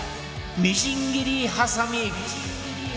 みじん切りはさみ